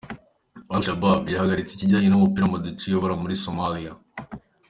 Al Shabaab yahagaritse ikijyanye n’umupira mu duce iyobora muri Somalia.